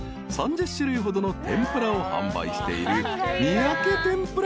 ［３０種類ほどの天ぷらを販売している］